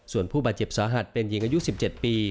ส่วนผู้บาดเจ็บสาหัสเป็นหญิงอายุ๑๗ปี